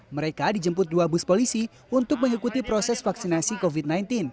mereka dijemput dua bus polisi untuk mengikuti proses vaksinasi covid sembilan belas